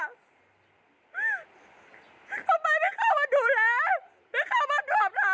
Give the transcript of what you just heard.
ทำไมไม่เข้ามาดูแลไม่เข้าไปดูแลอะไรสักนิดเลยอ่ะ